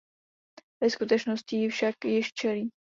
Ve skutečnosti jí však již čelí.